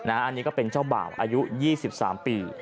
อันนี้ก็เป็นเจ้าบ่าวอายุ๒๓ปี